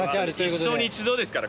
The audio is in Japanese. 一生に一度ですから。